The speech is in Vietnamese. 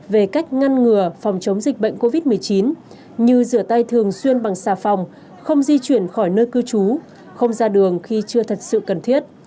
về cách ngăn ngừa phòng chống dịch bệnh covid một mươi chín như rửa tay thường xuyên bằng xà phòng không di chuyển khỏi nơi cư trú không ra đường khi chưa thật sự cần thiết